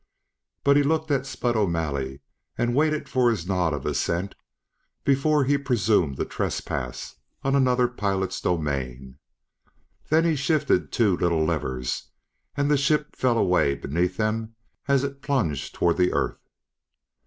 But he looked at Spud O'Malley and waited for his nod of assent before he presumed to trespass on another pilot's domain. Then he shifted two little levers, and the ship fell away beneath them as it plunged toward the Earth.